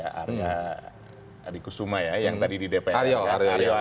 arya adikusuma ya yang tadi di dpr